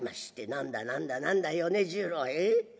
「何だ何だ何だ米十郎ええ